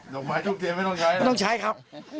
น้องไม้ทุกเตียงไม่ต้องใช้นะครับไม่ต้องใช้ครับ